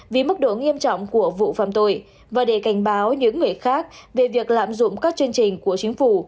vì mức độ nghiêm trọng của vụ phạm tội và để cảnh báo những người khác về việc lạm dụng các chương trình của chính phủ